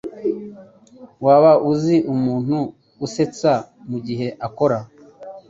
Waba uzi umuntu usetsa mugihe akora?